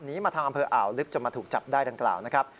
มาทางอำเภออ่าวลึกจนมาถูกจับได้ดังกล่าวนะครับ